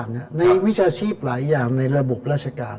วิชาชีพหลายอย่างในระบบราชการ